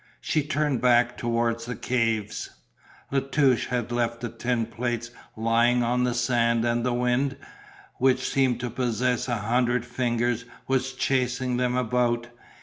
She turned back towards the caves. La Touche had left the tin plates lying on the sand and the wind, which seemed to possess a hundred fingers, was chasing them about.